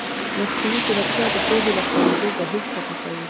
مصنوعي ځیرکتیا د پوهې د خپرېدو بهیر چټکوي.